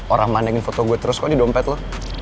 orang mandangin foto gue terus kok di dompet lo